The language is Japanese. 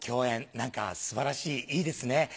何か素晴らしいいいですね。